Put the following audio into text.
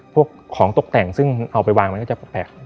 พวกของตกแต่งซึ่งเอาไปวางมันก็จะแปลก